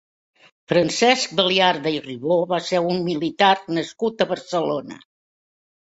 Francesc Baliarda i Ribó va ser un militar nascut a Barcelona.